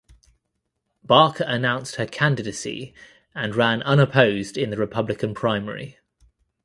Barker announced her candidacy and ran unopposed in the Republican primary.